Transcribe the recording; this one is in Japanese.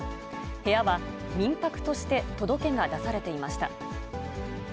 部屋は、民泊として届けが出されていました。